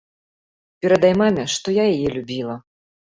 Перадай маме, што я яе любіла.